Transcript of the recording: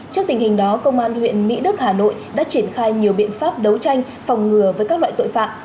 trước tình hình đó công an huyện mỹ đức hà nội đã triển khai nhiều biện pháp đấu tranh phòng ngừa với các loại tội phạm